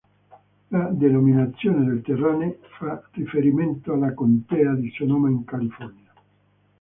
La denominazione del terrane fa riferimento alla Contea di Sonoma in California.